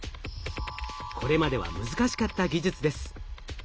これまでは難しかった技術です。